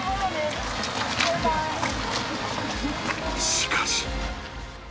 しかし